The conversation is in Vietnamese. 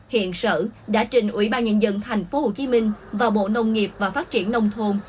hiện sở đã trình ủy ban nhân dân thành phố hồ chí minh và bộ nông nghiệp và phát triển nông thôn